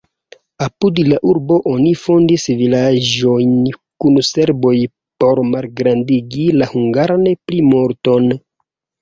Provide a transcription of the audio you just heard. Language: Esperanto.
Apud la urbo oni fondis vilaĝojn kun serboj por malgrandigi la hungaran plimulton.